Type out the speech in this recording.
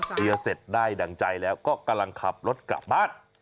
เคลียร์เสร็จได้ดั่งใจแล้วก็กำลังขับรถกลับบ้าน